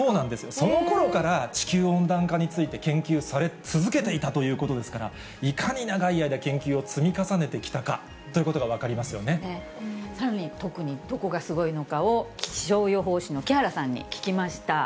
そのころから地球温暖化について研究され続けていたということですから、いかに長い間、研究を積み重ねてきたかということが分かさらに、特にどこがすごいのかを気象予報士の木原さんに聞きました。